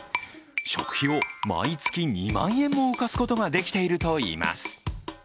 食費を毎月２万円も浮かすことができているといいます。